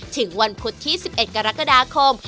ถึงวันพุธที่๑๑กรกฎาคม